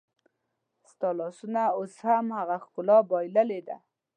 ستا لاسونو هم اوس هغه ښکلا بایللې ده